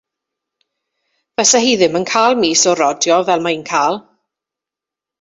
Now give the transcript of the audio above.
Fase hi ddim yn cael mis o rodio fel mae hi yn cael.